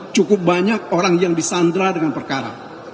cukup banyak orang yang disandra dengan perkara